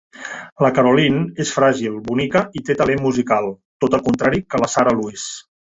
La Caroline és fràgil, bonica i té talent musical, tot al contrari que la Sara Louise.